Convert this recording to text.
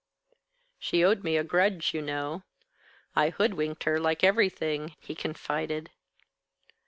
"She owed me a grudge, you know. I hoodwinked her like everything," he confided.